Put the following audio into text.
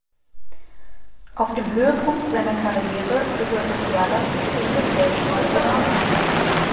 Auf dem Höhepunkt seiner Karriere gehörte Bialas zur bundesdeutschen Nationalmannschaft.